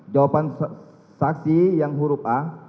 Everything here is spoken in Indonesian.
jawaban saksi yang huruf a